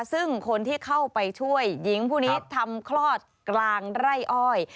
ซึ่งคนที่เข้าไปช่วยหญิงผู้นี้ทำคลอดกลางไร่อ้อย